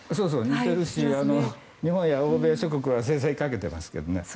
似ているし日本や欧米諸国は制裁をかけていますけどね。